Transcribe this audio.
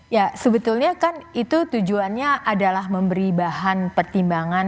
ya sebetulnya kan itu tujuannya adalah memberi bahan pertimbangan